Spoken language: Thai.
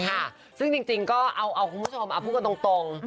ค่ะซึ่งจริงก็เอาคุณผู้ชมเอาพูดกันตรง